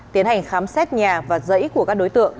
tiến hành khám xét nhà và dãy của các đối tượng